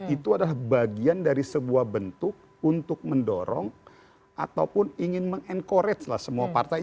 itu adalah bagian dari sebuah bentuk untuk mendorong ataupun ingin mengencouragelah semua partai